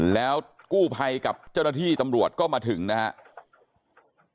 แล้วกู้ภัยกับเจ้าหน้าที่ตำรวจก็มาถึงนะครับ